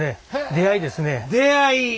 出会い。